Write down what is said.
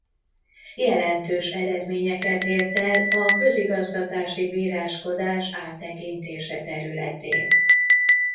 Jelentős eredményeket ért el a közigazgatási bíráskodás áttekintése területén.